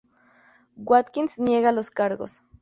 Watkins niega los cargos.